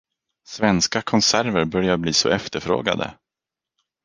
Svenska konserver börjar bli så efterfrågade.